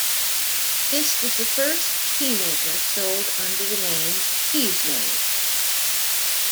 This was the first teamaker sold under the name Teasmade.